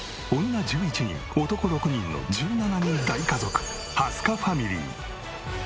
女１１人男６人の１７人大家族蓮香ファミリー。